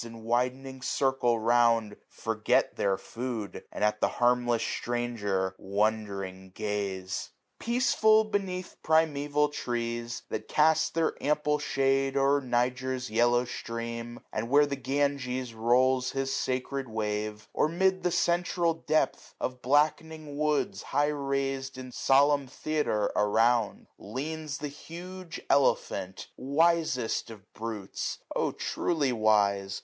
In widening circle round, forget their food. And at the harmless stranger wondering gaze. 7 1 5 Peaceful, beneath primeval trees, that cast Their ample shade o'er Niger's yellow stream, And where the Ganges rolls his sacred wave ; Or mid the central depth of blackening woods, High rais'd in solemn theatre around, 720 Leans the huge elephant : wisest of brutes ! O truly wise